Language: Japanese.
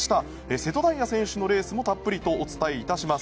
瀬戸大也選手のレースもたっぷりお伝えします。